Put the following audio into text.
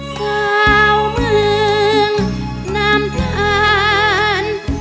สาวเมืองน้ำตาล